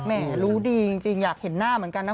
แม่รู้ดีจริงอยากเห็นหน้าเหมือนกันนะ